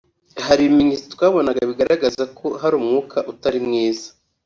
Hari ibimenyetso twabonaga bigaragaza ko hari umwuka utari mwiza